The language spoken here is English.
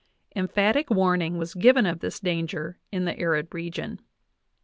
Emphatic warning was given of this danger in the arid region.